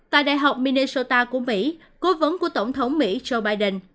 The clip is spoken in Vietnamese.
tại đại học minesota của mỹ cố vấn của tổng thống mỹ joe biden